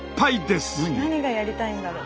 何がやりたいんだろう？